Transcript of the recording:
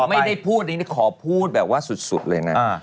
ไม่ได้พูดอันนี้ขอพูดแบบว่าสุดเลยนะ